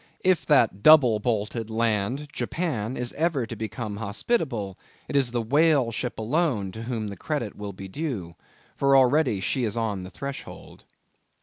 If that double bolted land, Japan, is ever to become hospitable, it is the whale ship alone to whom the credit will be due; for already she is on the threshold.